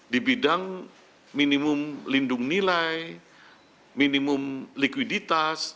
di bidang minimum lindung nilai minimum likuiditas